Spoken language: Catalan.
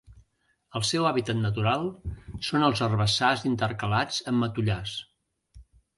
El seu hàbitat natural són els herbassars intercalats amb matollars.